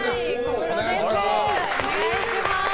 お願いします。